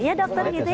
iya dokter gitu ya